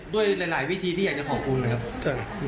ด้วยหลายวิธีที่อยากจะขอบคุณนะครับ